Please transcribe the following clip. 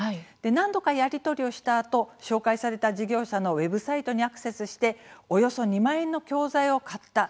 何度かやり取りをしたあと紹介された事業者のウェブサイトにアクセスしておよそ２万円の教材を買った。